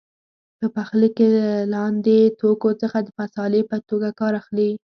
په پخلي کې له لاندې توکو څخه د مسالې په توګه کار اخلي.